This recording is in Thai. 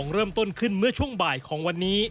เริ่มต้นขึ้นเมื่อช่วงบ่ายของวันนี้